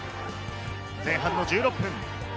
前半の１６分。